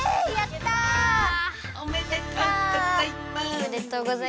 おめでとうございます！